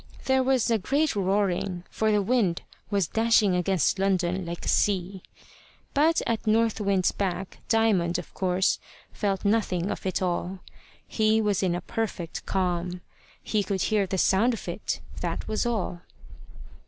There was a great roaring, for the wind was dashing against London like a sea; but at North Wind's back Diamond, of course, felt nothing of it all. He was in a perfect calm. He could hear the sound of it, that was all.